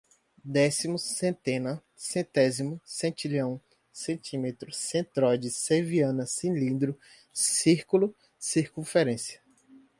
décimos, centena, centésimo, centilhão, centímetro, centroide, ceviana, cilindro, circulo, circunferência